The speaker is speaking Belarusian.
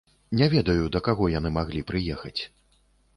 Не ведаю, да каго яны маглі прыехаць.